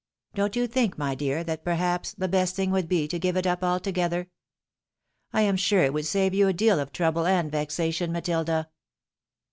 Don't you think, my dear, that perhaps the best thing would be to give it up altogether ? I am sure it would save you a deal of trouble and vexation, Matilda."